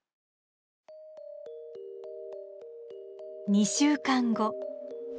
２週間後。